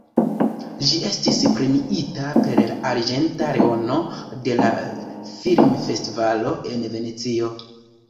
Ĝi estis premiita per la »Arĝenta Leono« de la filmfestivalo en Venecio.